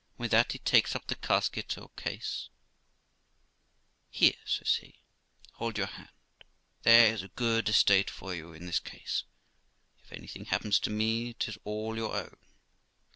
And with that he takes up the casket or case, ' Here ', says he, ' hold your hand ; there is a good estate for you in this case; if anything happens to me 'tis all your own.